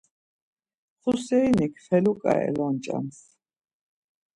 Xuseyinik feluǩa elonç̌ams.